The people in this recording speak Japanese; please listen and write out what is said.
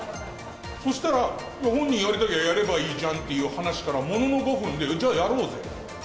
そしたら、いや、本人やりたきゃやればいいじゃんって話から、ものの５分で、じゃあ、やろうぜと。